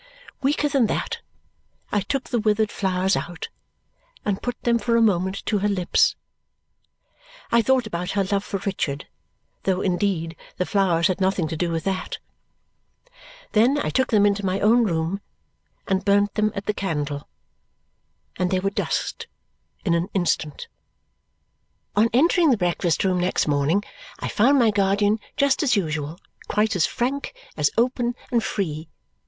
Weaker than that, I took the withered flowers out and put them for a moment to her lips. I thought about her love for Richard, though, indeed, the flowers had nothing to do with that. Then I took them into my own room and burned them at the candle, and they were dust in an instant. On entering the breakfast room next morning, I found my guardian just as usual, quite as frank, as open, and free.